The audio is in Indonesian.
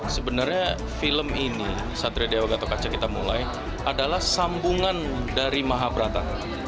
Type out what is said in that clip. sebenarnya film ini satria dewa gatok kaca kita mulai adalah sambungan dari mahabrata